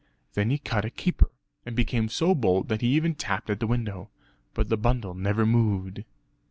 Then he cut a caper, and became so bold that he even tapped at the window; but the bundle never moved.